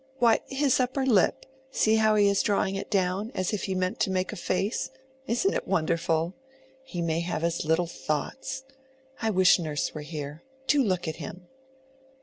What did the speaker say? why, his upper lip; see how he is drawing it down, as if he meant to make a face. Isn't it wonderful! He may have his little thoughts. I wish nurse were here. Do look at him."